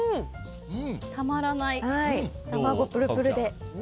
たまらない、卵がプルプルで。